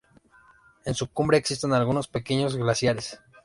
En su cumbre existen algunos pequeños glaciares.